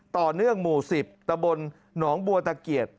ต่อเนื่องหมู่๑๐ตะบนหนองบัวตะเกียจ